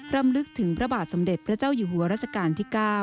รำลึกถึงพระบาทสมเด็จพระเจ้าอยู่หัวรัชกาลที่๙